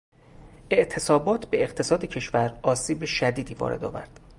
اعتصابات به اقتصاد کشور آسیب شدید وارد آورد.